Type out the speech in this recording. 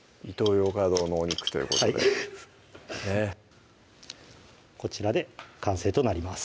ヨーカドーのお肉ということでねっこちらで完成となります